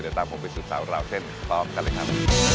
เดี๋ยวตามผมไปสืบสาวราวเส้นพร้อมกันเลยครับ